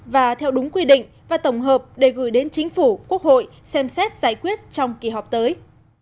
và theo đúng quy định và tổng hợp để gửi đến chính phủ quốc hội xem xét giải quyết trong kỳ họp tới